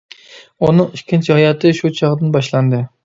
ئۇنىڭ ئىككىنچى ھاياتى شۇ چاغدىن باشلاندى.